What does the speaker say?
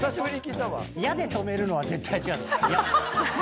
「や？」で止めるのは絶対違うと思う。